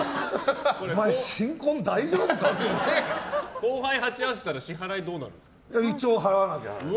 後輩と鉢合わせたら支払いはどうなるんですか？